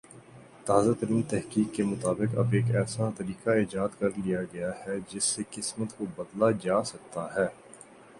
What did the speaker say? تازہ ترین تحقیق کے مطابق اب ایک ایسا طریقہ ایجاد کر لیا گیا ہے جس سے قسمت کو بدلہ جاسکتا ہے